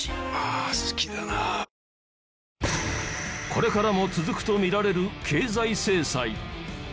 これからも続くと見られる経済制裁。